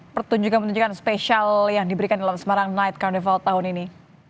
pertunjukan pertunjukan spesial yang diberikan dalam semarang night carnival tahun ini